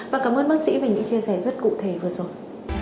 và cảm ơn bác sĩ về những chia sẻ rất cụ thể vừa rồi